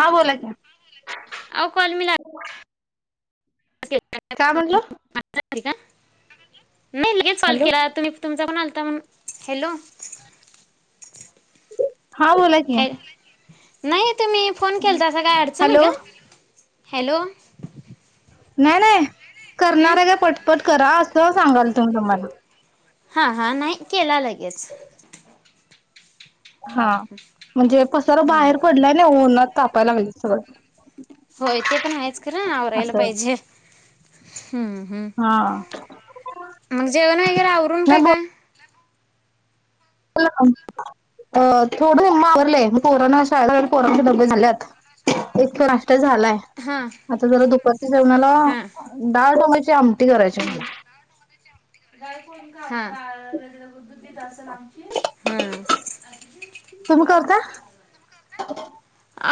हा बोला कीं. आऔ कॉल मिला काय म्हणलं? [inaudible] नाही मीच कॉल हॅलो केला, तुमी तुमचा पण आलं त म हॅलो. हा बोला कि, नाहीयेत. तुम्ही फोन केलतासा, काय अडचण हाय का? हॅलो. नाही नाही. हम्म करणार हाय काय पटपट करा, असं सांगालतो मी तुम्हाला. हा हा, नाही, केला लगेच. हा म्हणजे पसारा बाहेर हम्म पडलाय न्हवं उन्हात तापाय लागलंय सगळं. होय ते पण हायच खरं, आवरायला असं पाहिजे. हम्म हम्म. हा मग जेवण वगैरे आवरून काय नाही काय थोडं आवरलंय, पोरांना शाळेत, पोरांचे डब्बे झालेत, एक नांष्ट झालाय, हां आता जरा दुपारचं जेवणाला डाळ वांग्याची जाम. हम हा. [unintelligible] हा. तुम्ही करता?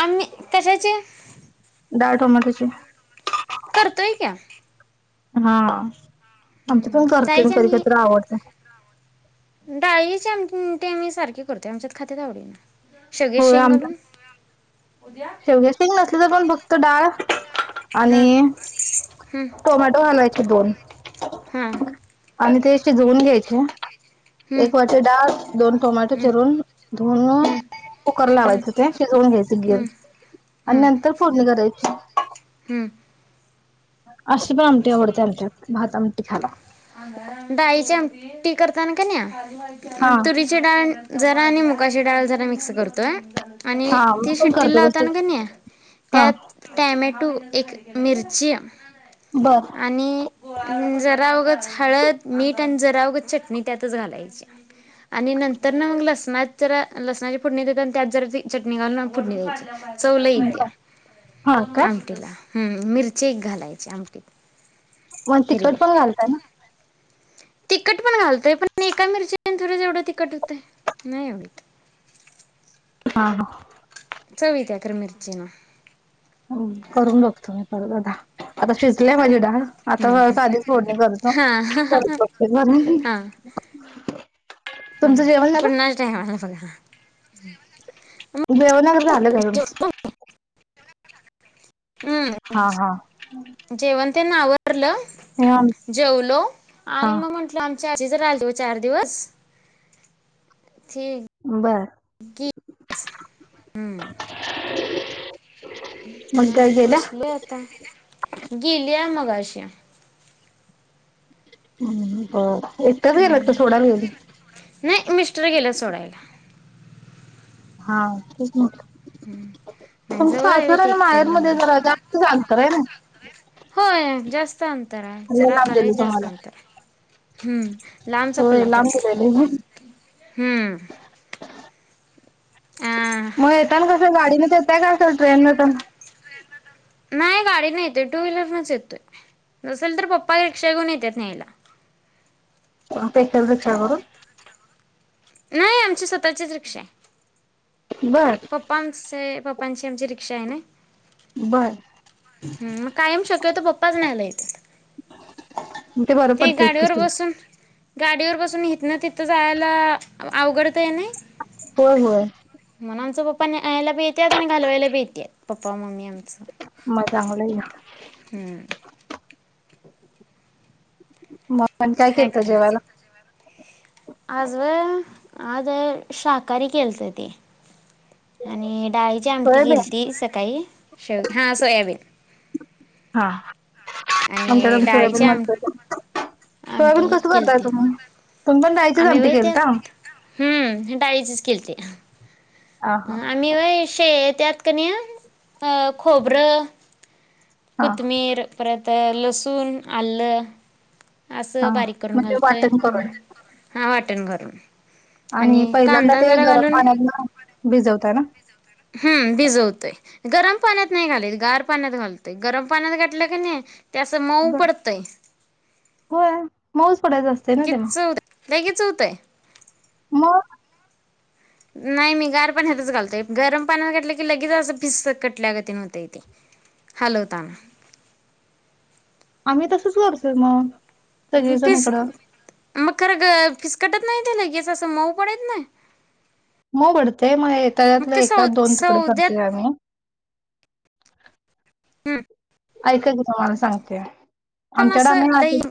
आम्ही कशाचे? डाळ टोमाटोची. करतोय की. हा. आमच्यात पण करतोय मी कधी कधी आवडत्या. डाळीचीं आमटी मी सारखी करतोय, आमच्यात खात्यात आवडीन. होय आमच्यात शेवग्याचीं शेंग नसली तरी पण फक्त डाळ हां आणि हं टोमॅटो घालाय की दोन. हां आणि ते शिजवून घ्यायचे. हं एक वाटी डाळ दोन टोमॅटो हं चिरून धुन हं कुकर हं लावायचे ते शिजवून घ्यायचे गिर हं आणि हं नंतर फोडणी करायची. हं अशी पण आमटी आवडते आमच्यात, भात आमटी खायला. डाळीची आमटी करताना कणी हा मग तुरीचे डाळ जरा आणि मु मुगाची डाळ जरा मिक्स करतोय. आणि हा मी ती पण सिट्टी करते तशी लावताना कनी हा त्यात टॅमॅटो एक मिरची बर आणि हि जर जरा उगाच हळद, मीठ आणि जरा उगाच चटणी त्यातच घालायची आणि नंतर ना मग लसणात जरा लसणाची फोडणी देत आणि त्यात जरा चटणी घालून फोडणी द्ययची. चवलई इत्या, बर हा का आमटीला. हम्म् मिरची एक घालायची आमटीत. मग तिकट पण घालतय ना? तिकट पण घालतय पण एका मिरची थोड एवढ तिकट होतय नाही होत हा हा. चव येत्या खरं मिरचीन. करून बघतो मी परत आता, आता शिजलेय माझी डाळ. हम्म आता हम्म साधी फोडणी करतो, हा हा हा तुमच जेवण झाल? पुन्हाच टायमाला बघा. जेवण वगैरे झालं सगळं. हा हा हम्म् जेवण. त्यां नाव ल हे आम जेवलो हा. आणि मग म्हटल चारी [unintelligible] चार दिवस. ठी बर हम्म्. मग काय गेल्या? बसलोय आता गेलीया मग [unintelligible] [inaudible] हम्म, बर. एकटच गेल्यात काय सोडायला नाही मिस्टर गेलेयात सोडायला. हा खूप मोठ नाही तुमच जवळ आहे सासर ते आणि माहेर एकट्याला लावून मध्ये द्यायला जरा जास्तच अंतर आहे ना ् [unintelligible] [inaudible] होय जास्त अंतर हाय, जरा लांब का दिलं लय जास्त तुम्हाला अंतर हाय. हम्म् लांबच होय पल्ला लांब पडतोय, दिलेलं हम्म्. म येताना कसं गाडीनच येताय काय? सगळ्यांना नाही गाडीन येतोय, टू व्हीलर नच येतोय, नसेल तर पप्पा रिक्षा घेऊन येत्यात न्यायला. पेशल रिक्षा करून नाही आमची स्वतःचीच रिक्षाय. बर पप्पा आमच चे पप्पांची आमची रिक्षा हाय नई. [inaudible] बर हम् मग कायम शक्यतो पप्पाच न्ह्यायला येतात [inaudible] बरं ते पडतंय की गाडीवर बसून गाडीवर बसून हित न तिथं यला अवघडतय नई होय. होय. पण आयला बी येत्यात अन घालवायला बी येत्यात पपा मम्मी आमच. म चांगलय हम्म पण काय केलंत जेवाला आज व्हय आज शाकारी केलत ते आणि [unintelligible] डाळीची आमटी सोयाबीन केलती सकाळी हा सोयाबीन हा हा. आमच्या आणि कड डाळीची सोयाबीन आम [unintelligible] सोयाबीन आमटी कस करताय केलती. तुम्ही पण डाळीचीच आम्ही आमटी व्हय ते केलता? हम्म डाळीचीच केलती आ हा आम्ही व्हय शे त्यात कनी अ खोबरं - हा कोतमीर परत तर लसूण आलं हा असं बारीक करून म्हणजे घालतोय वाटण करून आणि हा वाटण करून आणि पहिल्यांदा कांदा ते जरा गरम घालून पाण्यातन - [unintelligible] हम्म भिजवतोय गरम पाण्यात नाही घालायच गार पाण्यात घालतोय गरम पाण्यात घाठलं कणी - त्या अस मऊ बर. पडतय [inaudible] [unintelligible] ना ते मग गीच्च होतय लई गीच्च होतय मग नाही मी गार पाण्यातच घालतोय गरम पाण्यात घातलं की लगेच असं फिस्स कटल्या गत व्हतय हलवताना [inaudible] आम्ही तसंच करतोय मग सगळीजण फिस इकडं मग खरं क फिसकटत नाही त्याला कीस असं मऊ पडत नाही मऊ पडतय मग मग ते त्याच्यातले सौ एका दोन तुकड करतोय सौद्यात आम्ही हम् ऐकाय ग तुम्हाला सांगते पण आमच्याड आम् असं लई [unintelligible]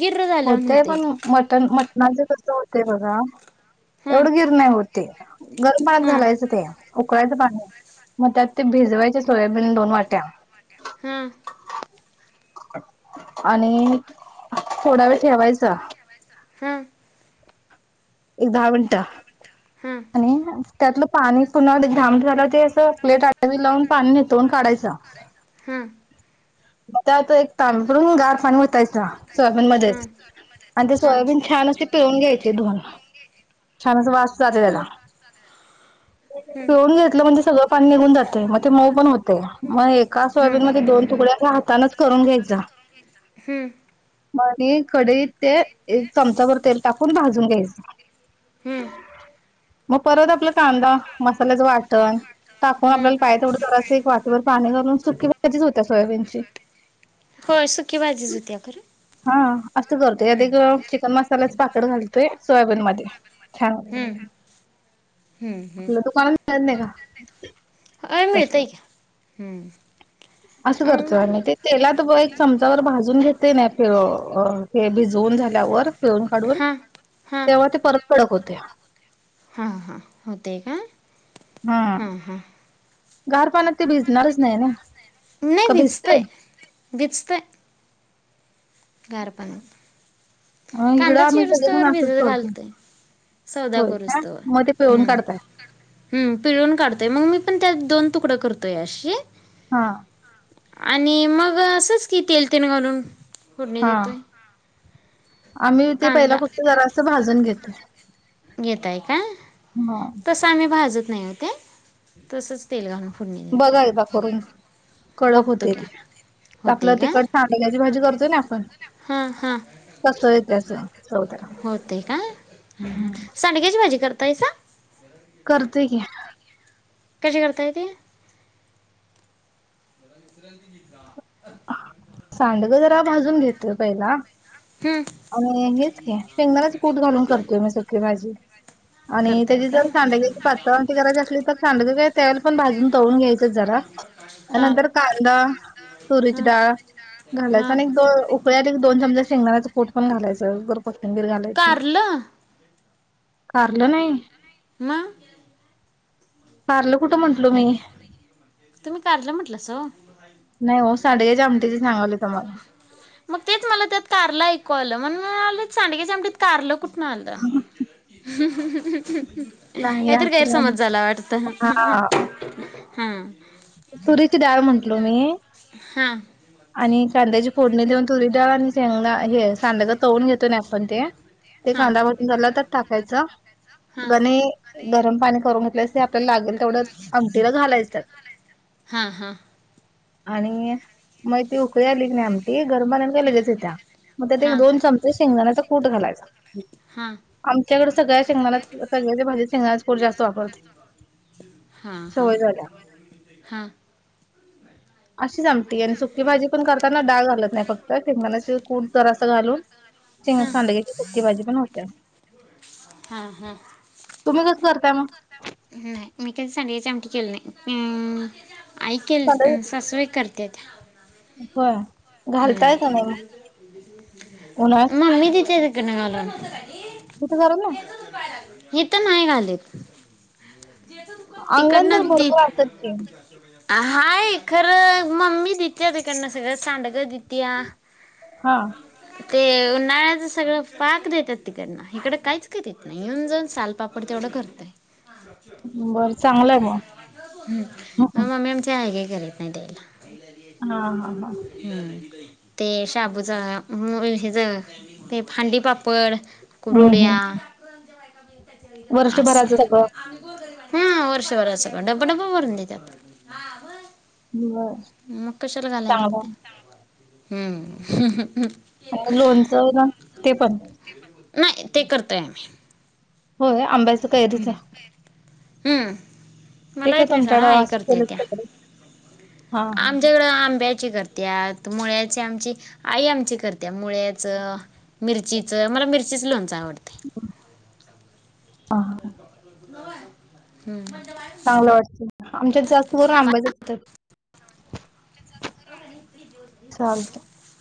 गिर्र झाल्यावानी होतय होतंय पण ते मटन मट - माझं कस होतंय बघा हां एवढं गिर नाही होत ते गरम भात हां घालायचं त ते उकळायच पाणी मग त्यात ते भिजवायचे सोयाबीन दोन वाट [inaudible] हम आणि थोडा वेळ ठेवायचा हम एक दहा मिनट आणि त्यातलं पाणी पुन्हा धा मिंट झालं ते असं प्लेट आडवी लावून पाणी नितळून काढायचं हम्म त्यात एक ताांपरून गार पाणी वतायचा सोयाबीन मध्येच हां आणि ते हां सोयाबीन छान अस पिळून घ्यायचे धुण छान अस वा जाते त्याला हम्म पिळून घेतलं म्हणज सगळं पाणी निघून जाते. मग ते मऊ पण होते मग एका सोयाबीन हम्म मध्ये दोन तुकड्या. [unintelligible] करून घ्याययच हम्म मगकढईत ते एक चमचाभर तेल टाकून भाजून घ्यायचं. हम्म मग परत आपला कांदा मसाल्याचं वाटणं टाकून हम्म आपल्याला पाय तेथवडं ं एक वाातीवर पाणी घालून सुकीजच होत्या सोयाबीन. हो सुकीच भाजीच होत्या खरं हा असं करतो हम्म यात चिकन मसालाचा [unintelligible] कड घालतोय सोयाबीन मध्ये. छान! हम्म हम्म आपलं दुकानात मिळत नाही का? ् [unintelligible] आ मिळतय की, हम्म. असं करतो अं आम्ही ते तेला [unintelligible] चमचावर भाजून घेते ना हे भिजवून झाल्यावर. [unintelligible] काढून हां तेव्हा ते परत. कडक होतय. हा हा होतय काय? हा. हा. गार पाण्यातत ते भिजणारच नाही ना. नाही का भिजते भिजतय, भिजतय [unintelligible] गार पाणी अ, इकडं कांदाच आम्ही सगळेजण चिरुस्तवर असंच भिजत करतो. घालतय, सौदा होय. हां. करुस्तवर मग ते पिळून हम् काढताय. हम् पिळून काढतय मग मी. पण त्यात दोन तुकड करतोय अशी. हां, आणि मग. अग असंच की तेल तेन घालून फोडणी हां. देतो. आम्ही ते पहिला फक्त जरास भाजून घेतो. [unintelligible] घेताय काय? तस आम्ही भाजतऽ नाही होते,, तसंच तेल घालून. फोडणी देत बघा आहे एकदा करून, कडक बघतो होतय की ते,,, आपलं होते का तिखट सांडण्याची भाजी करतोय नाई आपण.. हा हा,, तसं येते असं चव त्याला. होतय काय,, सांडग्याची भाजी करतायऽऽ ताईसाऽऽऽ करतोय की. कशी करताय ते. [inaudible] सांडगं जरा भाजून घेतोय पहिला. हं. आणि हेच शेंगदाणाचे पूट घालून करतोय मी सगळी माझी आणि करताय त्याची का जर सांडग्याची पात्रळ आती करायची असली तर सांडग का तेल पण भाजून आणि हेच की, शेंगदाण्याच कूट घालून करतोय मी सूक्की भाजी,, आणी तची जर सांडग्याची पातळ आमटी करायची असली तर त्या वेळेला पन सांडग भाजून तळून घ्यायचच जरा हा नंतर कांदा तुरीची हा डाळ घालायच हा आणि एक दो उकळ्यात एक दोन चमचा शेंगदाणाचे कूठ पण घालायचं, कोथंबीर घालायची. कारलं कारलं नाहीऽऽ नाऽऽ कारलं कुठं म्हंटलो मीऽऽ तुम्ही कारलं म्हटलंसा ओऽऽ नाही हो सांडग्याची आमऽऽ मग तेच मला त्यात कारला ऐकू आलं म्हणून सांडग्याच्या आमटीत कारलं कुठंन आलं [inaudible] नाही काही तरी असं काय. गैरसमज झाला वाटत हा हा तुरीची डाळ म्हटलो मी हा आणि कांद्याची फोडणी देऊन तुरीची डाळ आणि हे सांडग तळून घेतो कीनाय आपण ते ते हां कांदा भाजून झाला तर टाकायच हां गणे गरम पाणी करून घेतस ते आपल्याला लागेल तेवढं आमटीला घालायचं हा हा आणि मग ती उकळी आली क नाही आमटी गरमझालं की लगेचच येतीये मग त्यात हां हां दोन चमचे शेंगदाण्याचं कूट घालायच हां आमच्याकड सगळ्या शेंगदाण्याचं सगळ्या च्या भाजीत शेंगदाण्याचं कूट जास्त वापरते हां हां सवय झाल्या हां अशी आमटी आणि सुकी भाजी पण करताना डाळ घालत नाही फक्त शेंगदाण्याचं कुठ जरासं घालून चिंग सांडगे ची सुक्की भाजी पण होत्या हा हा [inaudible] हम्म नाही मी कधी सांडग्याची आमटी केली नाही. हम्म आई केल सांडगे अम्म सासूबाई कर तेत. होय. घालताय का नाही मग हम्म उन्हाळ्यात? मम्मी देतिया. घालून. तिथं घालत नाही? इथं नाही घालत. अंगण तर भरपूर असत्यात की. हाय खरं मम्मी देतिया तिकडंन सगळं सांडग दे देतिया. हा ते उन्हाळ्याचं सगळं पाक देतात तीकडं काहीच करीत नाही येऊन-जाऊन सालपापड तेवढं करतोय. हा. बरं चांगलं आहे मग. हम मम्मी आमची. हाय गई करत नाही द्यायला. हा. हा. हा. हम्म. ते शाबूच हेज. ते हंडी पापड. हम्म कुरुड्या हम्. वर्षभराचं सगळं. हा वर्षभर असं पण डब्बा-डब्बा भरून देतात. बरं मग कशाला घालायला लागते. चांगलं हम्म [inaudible] म लोनच ते पण नाही ते करतोय आम्ही होय आंब्याचा कैरीचा हम्म. ते मला का येत नाही साडा तुमच्याकड असलच तंगडी. [inaudible] आमच्याकड आंब्याची कर त्यात मुळ्याची, आमची आई आमची करत्या मुळ्याच, मिरचीच, मला मिरचीच लोणच आवडतंय. हा हा. हम्म. चांगलं वाटतं आमच्यात जास्त बर हां आंबाच करतात. चालत [inaudible]